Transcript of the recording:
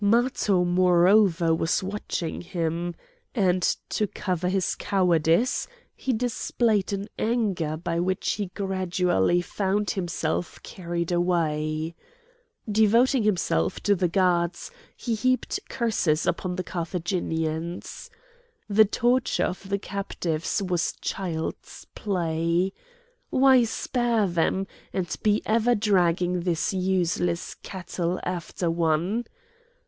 Matho, moreover, was watching him, and to cover his cowardice he displayed an anger by which he gradually found himself carried away. Devoting himself to the gods he heaped curses upon the Carthaginians. The torture of the captives was child's play. Why spare them, and be ever dragging this useless cattle after one?